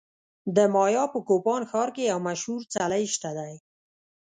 د مایا په کوپان ښار کې یو مشهور څلی شته دی